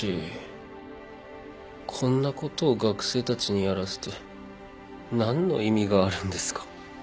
こんなことを学生たちにやらせて何の意味があるんですか？